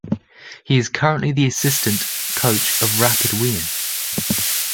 He is currently the assistant coach of Rapid Wien.